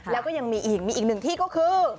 แล้วก็ยังมีอีกมีอีกหนึ่งที่ก็คือ